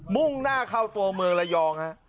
มุ่งหน้าเข้าตัวเมืองระยองฮะ